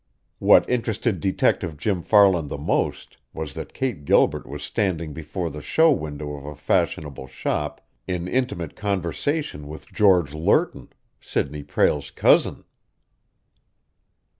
What interested Detective Jim Farland the most was that Kate Gilbert was standing before the show window of a fashionable shop in intimate conversation with George Lerton, Sidney Prale's cousin!